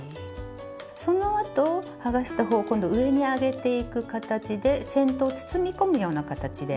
そのあと剥がした方を今度は上に上げていく形で先頭を包み込むような形で。